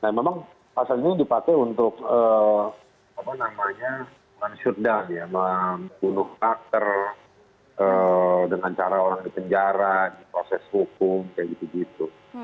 nah memang pasal ini dipakai untuk men shootdown ya membunuh karakter dengan cara orang di penjara di proses hukum kayak gitu gitu